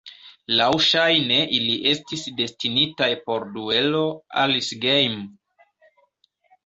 Laŭŝajne ili estis destinitaj por duelo "Alice Game".